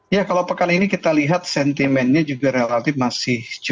ya kalau pekan ini kita lihat sentimennya juga relatif masih cukup